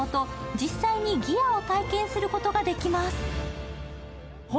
実際にギアを体験することができます。